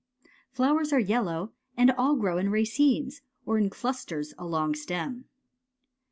Flowers are yellow, and all grow in racemes or in clusters along stem.